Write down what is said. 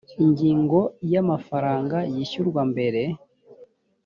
ingingo ya amafaranga yishyurwa mbere